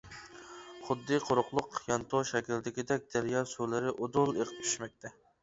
خۇددى قۇرۇقلۇق يانتۇ شەكىلدىكىدەك دەريا سۇلىرى ئۇدۇل ئېقىپ چۈشمەكتە.